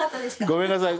ごめんなさい。